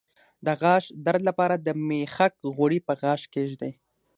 د غاښ درد لپاره د میخک غوړي په غاښ کیږدئ